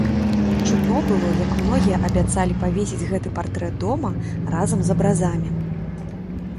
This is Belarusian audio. Чутно было, як многія абяцалі павесіць гэты партрэт дома разам з абразамі.